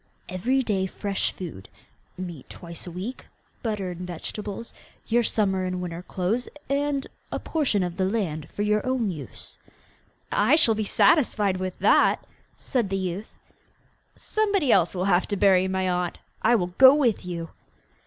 'Every day fresh food, meat twice a week, butter and vegetables, your summer and winter clothes, and a portion of land for your own use.' 'I shall be satisfied with that,' said the youth. 'Somebody else will have to bury my aunt. I will go with you!